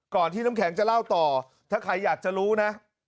ที่น้ำแข็งจะเล่าต่อถ้าใครอยากจะรู้นะ